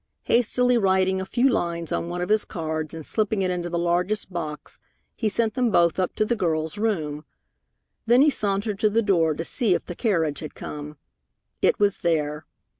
Hastily writing a few lines on one of his cards and slipping it into the largest box, he sent them both up to the girl's room. Then he sauntered to the door to see if the carriage had come. It was there.